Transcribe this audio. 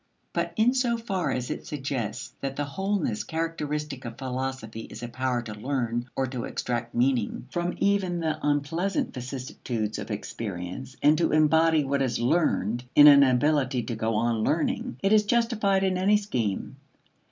But in so far as it suggests that the wholeness characteristic of philosophy is a power to learn, or to extract meaning, from even the unpleasant vicissitudes of experience and to embody what is learned in an ability to go on learning, it is justified in any scheme.